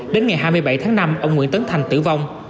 đến ngày hai mươi bảy tháng năm ông nguyễn tấn thành tử vong